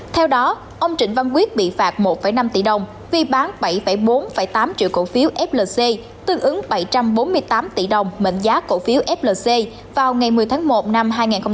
theo đó ông trịnh văn quyết bị phạt một năm tỷ đồng vì bán bảy bốn tám triệu cổ phiếu flc tương ứng bảy trăm bốn mươi tám tỷ đồng mệnh giá cổ phiếu flc vào ngày một mươi tháng một năm hai nghìn hai mươi